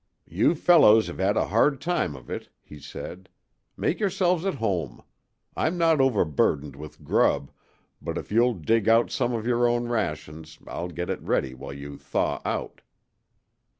"You fellows have had a hard time of it," he said. "Make yourselves at home. I'm not overburdened with grub, but if you'll dig out some of your own rations I'll get it ready while you thaw out."